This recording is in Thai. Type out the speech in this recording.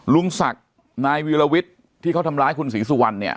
ลุงศักดิ์นายวีรวิทย์ที่เขาทำร้ายคุณศรีสุวรรณเนี่ย